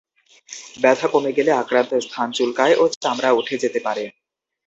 ব্যথা কমে গেলে আক্রান্ত স্থান চুলকায় ও চামড়া উঠে যেতে পারে।